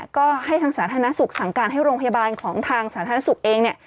ก็ให้ทางสาธารณสุขสั่งการให้โรงพยาบาลของทางสาธารณสุขเองเนี่ย